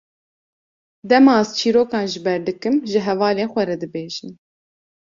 Dema ez çîrokan ji ber dikim, ji hevalên xwe re dibêjim.